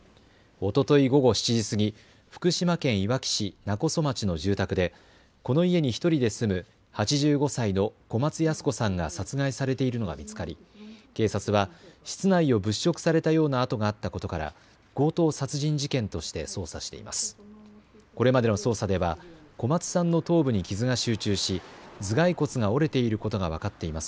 おととい午後７時過ぎ、福島県いわき市勿来町の住宅でこの家に１人で住む８５歳の小松ヤス子さんが殺害されているのが見つかり警察は室内を物色されたような跡があったことから強盗殺人事件として捜査しています。